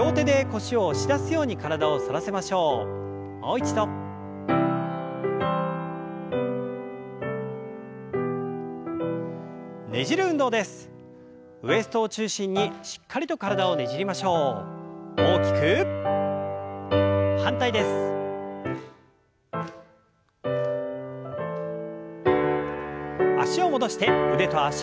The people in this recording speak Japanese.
脚を戻して腕と脚の運動。